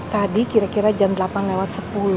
tadi kira kira jam delapan lewat sepuluh